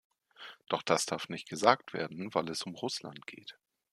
Doch das darf nicht gesagt werden, weil es um Russland geht!